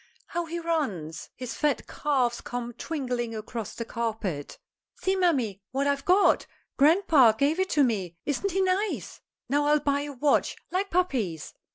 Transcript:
How he runs! His fat calves come twinkling across the carpet. "See, mammy, what I've got. Grandpa gave it to me. Isn't he nice? Now I'll buy a watch like pappy's."